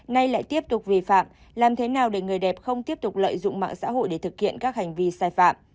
nay lại tiếp tục vi phạm làm thế nào để người đẹp không tiếp tục lợi dụng mạng xã hội để thực hiện các hành vi sai phạm